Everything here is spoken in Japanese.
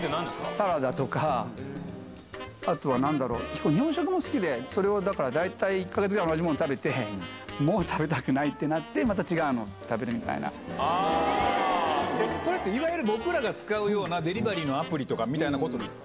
サラダとか、あとはなんだろう、日本食も結構好きで、それはだから、大体１か月ぐらい同じもの食べて、もう食べたくないってなって、また違うの食べるみたいそれっていわゆる、僕らが使うようなデリバリーのアプリとかみたいなことですか？